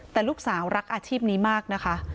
แต่ลูกสาวรักอาชีพนี้มากนะคะ